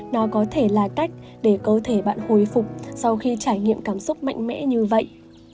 nó có thể là cách để cơ thể bạn hồi phục sau khi trải nghiệm cảm xúc mạnh mẽ như vậy